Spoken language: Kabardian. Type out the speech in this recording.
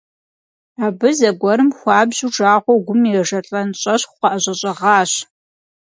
Абы зэгуэрым хуабжьу жагъуэу гум ежэлӀэн щӀэщӀхъу къыӀэщӀэщӀэгъащ.